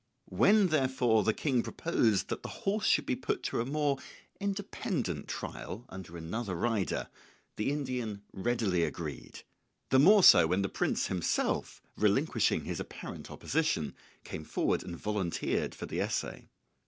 When, therefore, the King proposed that the horse should be put to a more independent trial under another rider, the Indian readily agreed; the more so when the prince himself, relinquishing his apparent opposition, came forward and volunteered for the essay.